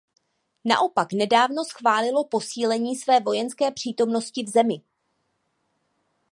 Naopak nedávno schválilo posílení své vojenské přítomnosti v zemi.